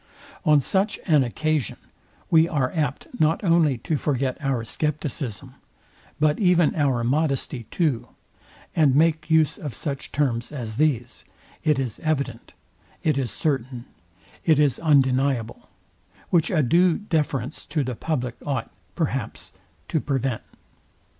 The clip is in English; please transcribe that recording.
On such an occasion we are apt not only to forget our scepticism, but even our modesty too; and make use of such terms as these, it is evident, it is certain, it is undeniable; which a due deference to the public ought, perhaps, to prevent.